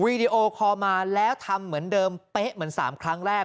วีดีโอคอลมาแล้วทำเหมือนเดิมเป๊ะเหมือน๓ครั้งแรก